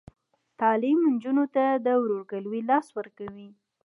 تعلیم نجونو ته د ورورګلوۍ درس ورکوي.